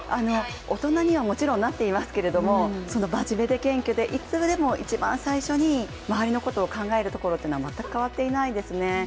大人にはもちろんなっていますが、真面目で謙虚でいつでもいちばん最初に周りのことを考えるところは全く変わっていないですね。